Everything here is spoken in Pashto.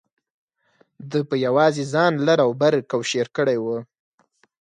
ده په یوازې ځان لر او بر کوشیر کړی و.